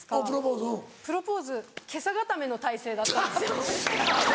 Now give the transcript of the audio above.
プロポーズ袈裟固めの体勢だったんですよ。